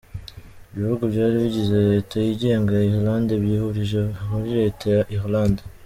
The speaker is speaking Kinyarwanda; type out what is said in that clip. Ibihugu byari bigize Leta yigenga ya Ireland byihurije muri Leta ya Ireland.